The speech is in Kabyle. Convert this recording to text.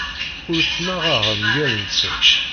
Ur ttnaɣeɣ mgal-nsen.